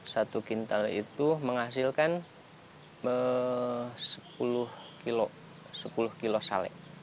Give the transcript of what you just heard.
satu kintal itu menghasilkan sepuluh kilo sale